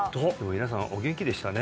皆さんお元気でしたね